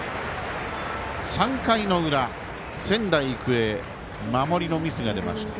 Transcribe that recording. ３回の裏、仙台育英守りのミスが出ました。